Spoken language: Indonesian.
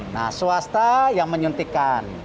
nah swasta yang menyuntikkan